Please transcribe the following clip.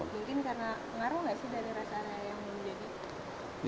mungkin karena ngaruh gak sih dari res area yang belum jadi